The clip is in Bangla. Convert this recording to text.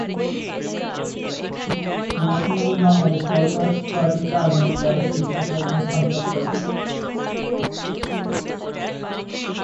ইয়াসিন আলী বাংলাদেশ ওয়ার্কার্স পার্টির রাজনৈতিক আদর্শে বিশ্বাসী একজন সংসদ সদস্য।